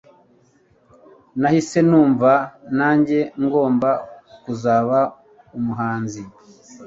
Nahise numva nange ngomba kuzaba umuhanzi.